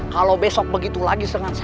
kalau besok begitu lagi sengaja dengan saya